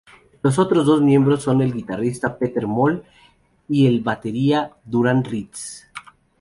Los otros dos miembros son el guitarrista Peter Mol y el batería Duran Ritz.